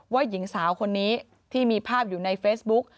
หญิงสาวคนนี้ที่มีภาพอยู่ในเฟซบุ๊ก